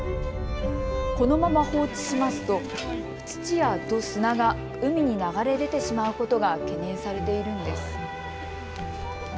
このまま放置しますと土や砂が海に流れ出てしまうことが懸念されているんです。